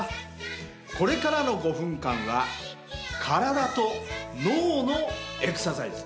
これからの５分間は体と脳のエクササイズ。